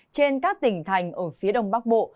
trên các tỉnh thành ở phía đông bắc bộ